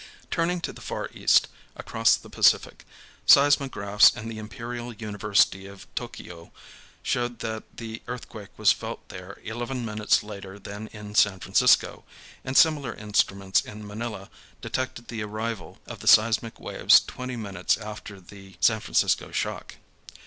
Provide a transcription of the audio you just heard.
Turning to the Far East, across the Pacific, seismographs in the Imperial University of Tokio showed that the earthquake was felt there eleven minutes later than in San Francisco, and similar instruments in Manila detected the arrival of the seismic waves twenty minutes after the San Francisco shock.